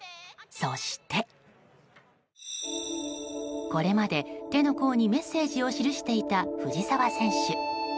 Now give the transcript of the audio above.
そして、これまで手の甲にメッセージを記していた藤澤選手。